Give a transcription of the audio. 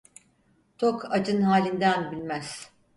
Tok, acın halinden bilmez.